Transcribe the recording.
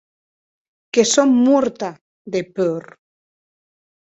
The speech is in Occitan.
Que sò mòrta de pòur!